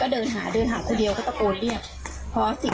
ก็เดินหาคุณเดียวก็ตะโกนเรียก